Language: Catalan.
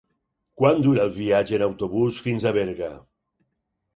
Quant dura el viatge en autobús fins a Berga?